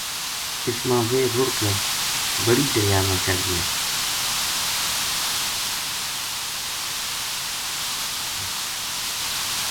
اس ما ویہ رُڑ کے بڑی دریا ما چل گیا